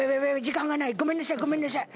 時間がないごめんなさいごめんなさい。